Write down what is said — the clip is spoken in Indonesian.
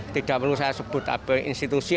tidak perlu saya sebut abai institusi